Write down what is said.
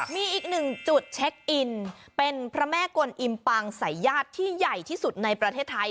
มีอีกหนึ่งจุดเช็คอินเป็นพระแม่กลอิมปังสายญาติที่ใหญ่ที่สุดในประเทศไทย